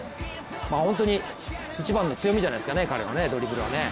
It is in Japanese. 本当に一番の強みじゃないですかね、彼の、ドリブルはね。